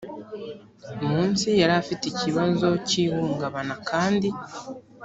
munsi yari afite ikibazo cy ihungabana kandi